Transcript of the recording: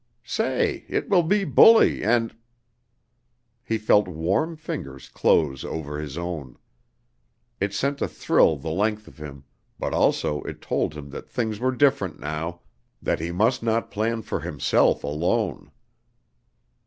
Say, it will be bully and " He felt warm fingers close over his own. It sent a thrill the length of him, but also it told him that things were different now that he must not plan for himself alone.